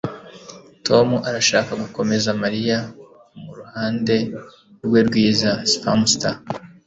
Tom arashaka gukomeza Mariya kumuruhande rwe rwiza Spamster